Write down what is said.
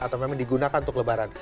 atau memang digunakan untuk lebaran